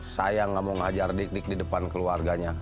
saya nggak mau ngajar dik dik di depan keluarganya